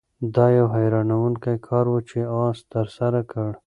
دا یو حیرانوونکی کار و چې آس ترسره کړ.